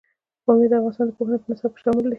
پامیر د افغانستان د پوهنې په نصاب کې شامل دی.